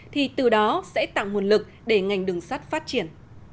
thì từ đó sẽ tạo nguồn lực để ngành đường sắt phát triển